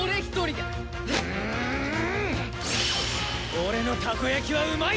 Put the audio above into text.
俺のたこやきはうまい！